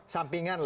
sampingan lah ya